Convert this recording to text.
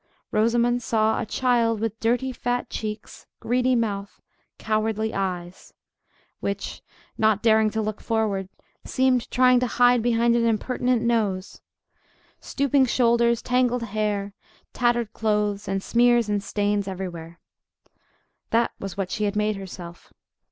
Rosamond saw a child with dirty fat cheeks, greedy mouth, cowardly eyes—which, not daring to look forward, seemed trying to hide behind an impertinent nose—stooping shoulders, tangled hair, tattered clothes, and smears and stains everywhere. That was what she had made herself.